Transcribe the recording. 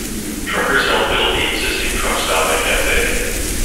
Truckers helped build the existing truck stop and cafe.